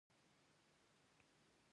اوښ د افغانستان د طبیعي زیرمو برخه ده.